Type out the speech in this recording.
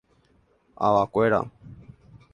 Avakuéra.